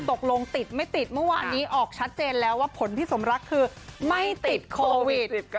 ตกลงติดไม่ติดเมื่อวานนี้ออกชัดเจนแล้วว่าผลพี่สมรักคือไม่ติดโควิด